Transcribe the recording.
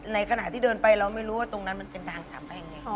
ในขณะที่เดินไปเราไม่รู้ว่าตรงนั้นมันเป็นทางสามแพงไง